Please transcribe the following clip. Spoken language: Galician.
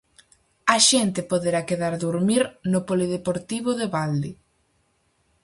A xente poderá quedar durmir no polideportivo de balde.